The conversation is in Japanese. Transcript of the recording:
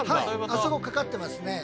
あそこかかってますね。